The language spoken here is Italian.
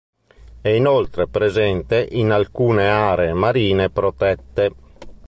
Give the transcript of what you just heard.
È inoltre presente in alcune aree marine protette.